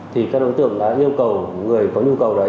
thì các đối tượng đã yêu cầu người có nhu cầu đấy